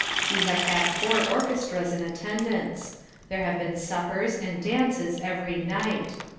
We have had four orchestras in attendance. There have been suppers and dances every night.